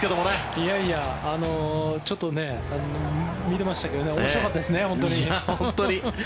いやいやちょっと見てましたけども面白かったですね、本当に。